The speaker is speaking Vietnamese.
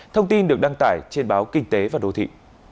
thông tin được đăng tải trên báo kinh tế và đô thị